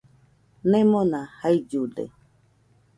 Nemona jaillude.